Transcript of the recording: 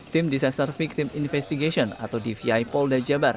tim disaster victim investigation atau dvi paul dajabar